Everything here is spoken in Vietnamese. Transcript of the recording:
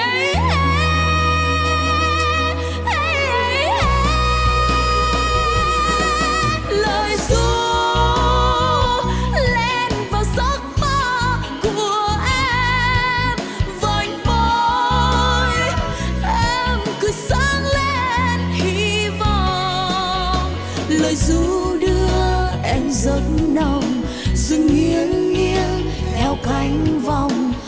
rừng nghiêng nghiêng theo cánh vòng